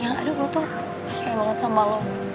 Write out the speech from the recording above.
gue tuh percaya banget sama lo